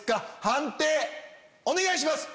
判定お願いします！